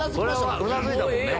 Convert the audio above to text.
うなずいたもんね。